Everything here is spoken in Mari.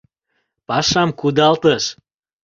Пашам кудалтыш.